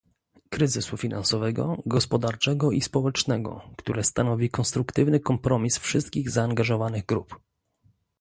Kryzysu Finansowego, Gospodarczego i Społecznego, które stanowi konstruktywny kompromis wszystkich zaangażowanych grup